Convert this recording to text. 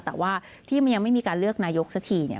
แต่ว่าที่มันยังไม่มีการเลือกนายกสักทีเนี่ย